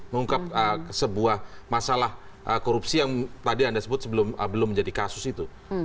mengungkap sebuah masalah korupsi yang tadi anda sebut belum menjadi kasus itu